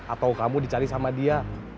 atau kamu dicari sama dia